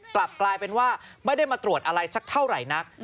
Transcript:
กลับกลายเป็นว่าไม่ได้มาตรวจอะไรสักเท่าไหร่นัก